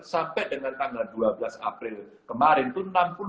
sampai dengan tanggal dua belas april kemarin itu enam puluh sembilan enam ratus enam puluh